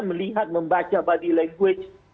melihat membaca body language